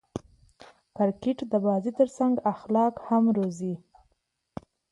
کرکټ د بازي ترڅنګ اخلاق هم روزي.